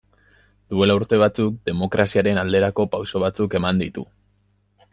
Duela urte batzuk demokraziaren alderako pauso batzuk eman ditu.